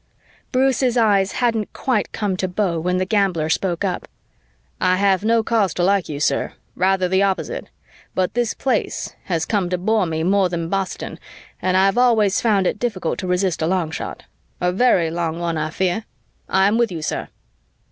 Bruce's eyes hadn't quite come to Beau when the gambler spoke up. "I have no cause to like you, sir, rather the opposite. But this Place has come to bore me more than Boston and I have always found it difficult to resist a long shot. A very long one, I fear. I am with you, sir."